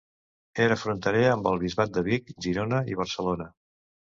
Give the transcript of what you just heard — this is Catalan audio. Era fronterer amb els bisbats de Vic, Girona i Barcelona.